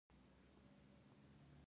غوړي باید څومره وخوړل شي؟